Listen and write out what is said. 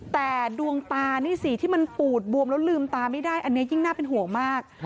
แต่ดวงตานี่สิที่มันปูดบวมแล้วลืมตาไม่ได้อันนี้ยิ่งน่าเป็นห่วงมาก